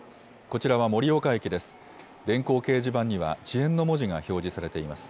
こちらは盛岡駅です。